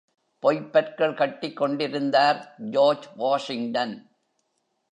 பொய்ப் பற்கள் கட்டிக் கொண்டிருந்தார் ஜார்ஜ் வாஷிங்டன்.